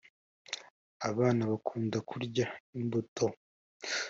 abana bakunda kuryA imbuto